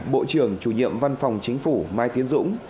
bộ trưởng chủ nhiệm văn phòng chính phủ mai tiến dũng